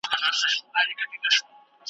چي د بل پر وزرونو یې تکیه وي .